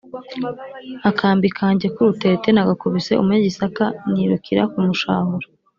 ,akambi kanjye k’urutete nagakubise umunyagisaka, nirukira kumushahura